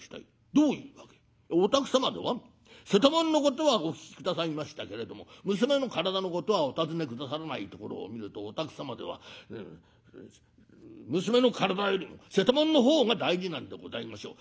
『どういうわけ』『お宅様では瀬戸物のことはお聞き下さいましたけれども娘の体のことはお尋ね下さらないところを見るとお宅様では娘の体よりも瀬戸物の方が大事なんでございましょう。